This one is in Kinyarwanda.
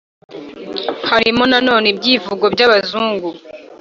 harimo nanone ibyivugo, byabazungu